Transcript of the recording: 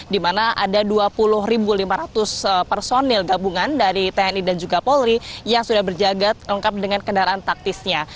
di mana ada dua puluh lima ratus personil gabungan dari tni dan juga polri yang sudah berjaga lengkap dengan kendaraan taktisnya